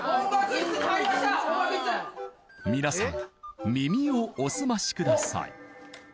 みなさん耳をお澄ましください